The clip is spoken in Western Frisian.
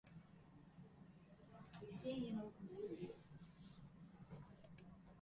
E-mail Han de Groot.